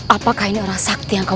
apakah ini orang sakti yang kau